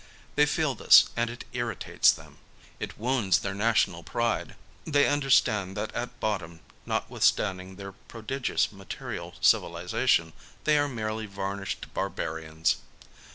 They feel this and it irritates them ; it wounds their national pride : they understand that at bottom, notwithstanding their pro digious material civilization, they are merely varnished bar barians.